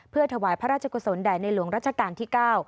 เพื่อถวายพระราชกุศลแด่ในหลวงรัชกาลที่๙